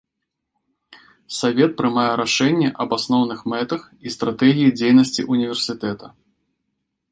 Савет прымае рашэнне аб асноўных мэтах і стратэгіі дзейнасці універсітэта.